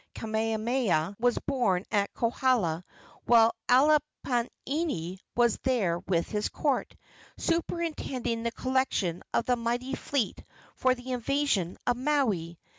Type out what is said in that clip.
Kamehameha was born at Kohala while Alapainui was there with his court, superintending the collection of a mighty fleet for the invasion of Maui.